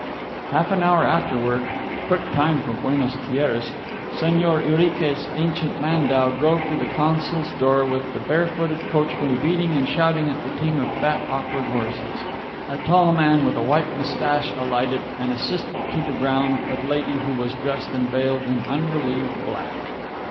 Half an hour afterward quick time for Buenas Tierras Señor Urique's ancient landau drove to the consul's door, with the barefooted coachman beating and shouting at the team of fat, awkward horses. A tall man with a white moustache alighted, and assisted to the ground a lady who was dressed and veiled in unrelieved black.